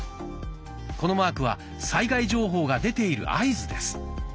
このマークは災害情報が出ている合図です。